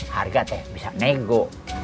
harga teh bisa nego